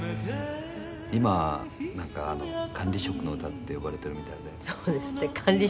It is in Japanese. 今、なんか、「管理職の歌」って呼ばれてるみたいで。